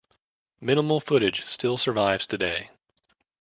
Minimal footage still survives today.